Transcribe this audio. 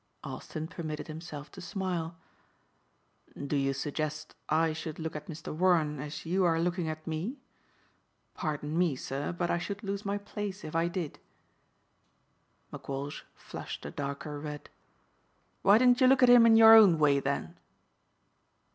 Austin permitted himself to smile. "Do you suggest I should look at Mr. Warren as you are looking at me? Pardon me, sir, but I should lose my place if I did." McWalsh flushed a darker red. "Why didn't you look at him in your own way then?"